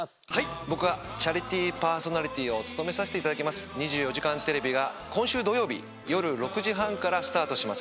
僕がチャリティーパーソナリティーを務めさせていただきます『２４時間テレビ』が今週土曜日夜６時半からスタートします。